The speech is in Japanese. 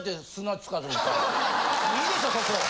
もういいでしょそこ。